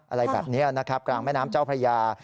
อะไรแบบนี้นะครับกลางแม่น้ำเจ้าพระยา